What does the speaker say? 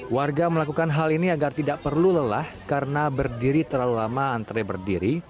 warga melakukan hal ini agar tidak perlu lelah karena berdiri terlalu lama antre berdiri